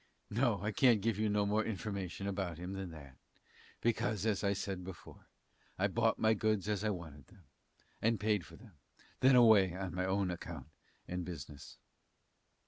No, I can't give you no more information about him than that, because, as I said before, I bought my goods as I wanted them, and paid for them, then away on my own account and business.